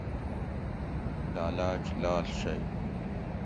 لالاچ لاڷ شئ